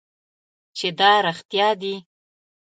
چې دا رښتیا دي .